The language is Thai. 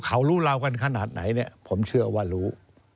เขารู้เรากันขนาดไหนผมเชื่อว่ารู้